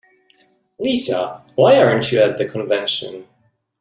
Lisa, why aren't you at the convention?